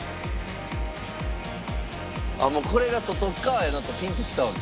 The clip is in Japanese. もうこれが外側やなとピンときたわけ？